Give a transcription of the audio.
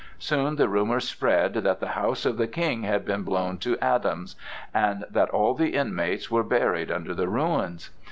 Soon the rumor spread that the house of the King had been blown to atoms and that all the inmates were buried under the ruins.